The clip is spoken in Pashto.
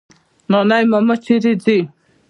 نانی ماما چيري ځې؟